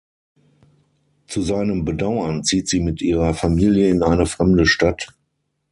Zu seinem Bedauern zieht sie mit ihrer Familie in eine fremde Stadt.